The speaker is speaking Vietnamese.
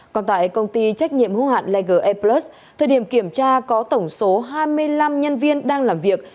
còn tại công ty trách nhiệm hô hạn leger airplus thời điểm kiểm tra có tổng số hai mươi năm nhân viên đang làm việc